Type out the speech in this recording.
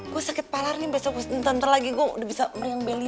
gue sakit kepala nih nanti gue bisa meriang beli